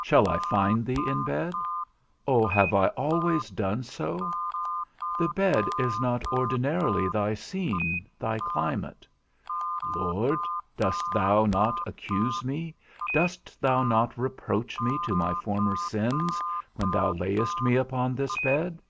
Shall I find thee in bed? Oh, have I always done so? The bed is not ordinarily thy scene, thy climate: Lord, dost thou not accuse me, dost thou not reproach to me my former sins, when thou layest me upon this bed?